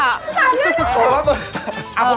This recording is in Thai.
สามารถเล่นได้